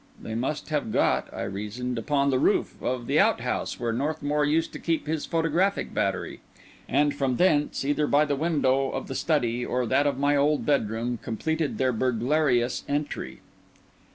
They must have got, I reasoned, upon the roof of the outhouse where Northmour used to keep his photographic battery; and from thence, either by the window of the study or that of my old bedroom, completed their burglarious entry.